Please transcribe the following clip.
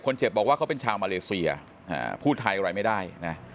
เจ็บบอกว่าเขาเป็นชาวมาเลเซียพูดไทยอะไรไม่ได้นะ